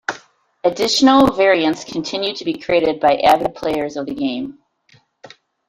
Additional variants continue to be created by avid players of the game.